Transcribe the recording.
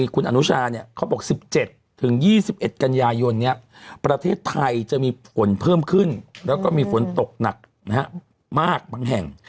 คุณอนุชาบอกว่าประเทศไทยจะมีฝนเพิ่มขึ้นแล้วก็มีฝนตกหนักมากบางแห่ง